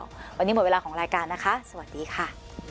วันนี้หมดเวลาของรายการนะคะสวัสดีค่ะ